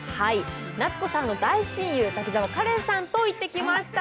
夏子さんの大親友、滝沢カレンさんと行ってきました。